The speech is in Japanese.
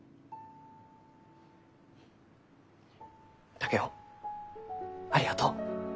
竹雄ありがとう。